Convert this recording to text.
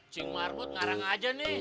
cing marmut ngarang aja nih